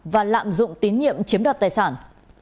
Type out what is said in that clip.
và lạm dụng tín nhiệm chiếm đoạt tài sản